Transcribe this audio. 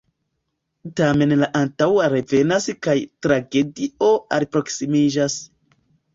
Tamen la antaŭa revenas kaj tragedio alproksimiĝas.